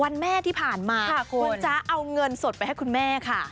วันแม่ที่ผ่านมาคุณจ๊ะเอาเงินสดไปให้คุณแม่ค่ะ